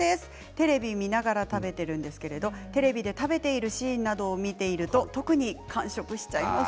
テレビを見ながら食べているんですけれどもテレビで食べているシーンなどを見ると特に間食したいです。